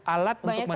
alat untuk menentukan